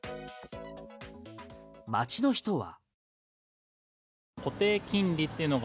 街の人は。